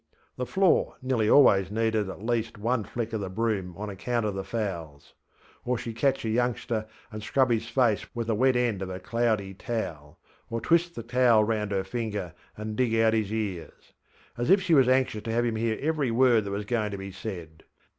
The floor nearly always needed at least one flick of the broom on account of the fowls. Or sheŌĆÖd catch a youngster and scrub his face with a wet end of a cloudy towel, or twist the towel round her finger and dig out his earsŌĆöas if she was anxious to have him hear every word that was going to be said.